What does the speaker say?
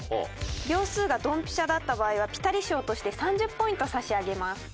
秒数がドンピシャだった場合はピタリ賞として３０ポイント差し上げます。